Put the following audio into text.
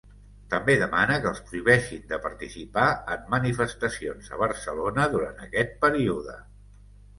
També demana que els prohibeixin de participar en manifestacions a Barcelona durant aquest període.